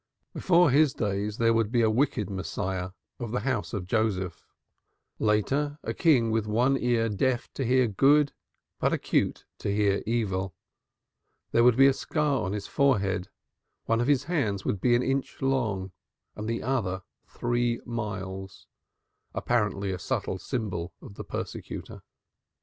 Before his days there would be a wicked Messiah of the House of Joseph; later, a king with one ear deaf to hear good but acute to hear evil; there would be a scar on his forehead, one of his hands would be an inch long and the other three miles, apparently a subtle symbol of the persecutor.